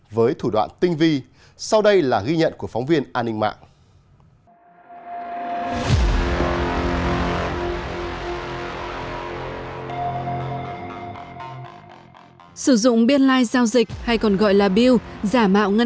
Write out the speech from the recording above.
với thủ đoạn tinh vi sau đây là ghi nhận của phóng viên an ninh mạng